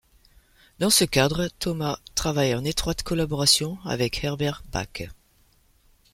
Dans ce cadre, Thomas travaille en étroite collaboration avec Herbert Backe.